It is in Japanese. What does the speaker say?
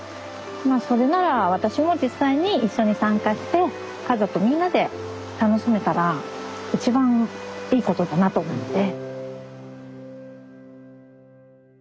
まあそれなら私も実際に一緒に参加して家族みんなで楽しめたら一番いいことだなと思って。